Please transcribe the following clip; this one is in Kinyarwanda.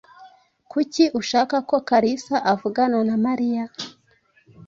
Kuki ushaka ko Kalisa avugana na Mariya?